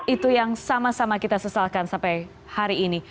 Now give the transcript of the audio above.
itu yang sama sama kita sesalkan sampai hari ini